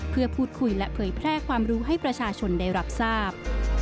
เพื่อพูดคุยและเผยแพร่ความรู้ให้ประชาชนได้รับทราบ